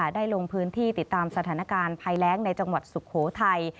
ได้ลงพื้นที่ติดตามสถานการณ์ภัยแรงในจังหวัดสุโขทัย